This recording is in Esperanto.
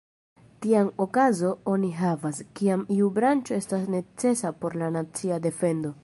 Tian okazon oni havas, kiam iu branĉo estas necesa por la nacia defendo.